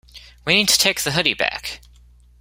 We need to take the hoodie back!